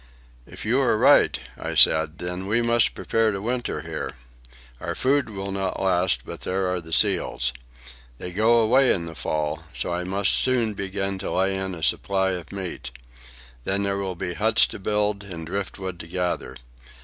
"If you are right," I said, "then we must prepare to winter here. Our food will not last, but there are the seals. They go away in the fall, so I must soon begin to lay in a supply of meat. Then there will be huts to build and driftwood to gather.